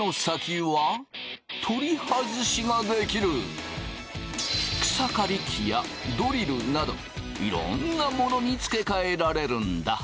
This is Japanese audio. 実は草刈り機やドリルなどいろんなものに付け替えられるんだ。